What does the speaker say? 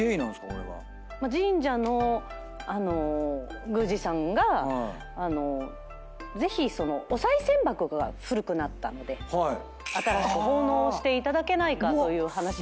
神社の宮司さんがぜひお賽銭箱が古くなったので新しく奉納をしていただけないかという話でですね。